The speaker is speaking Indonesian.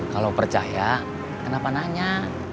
kalau percaya kenapa nanya